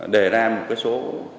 đề ra một số